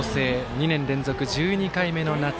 ２年連続１２回目の夏。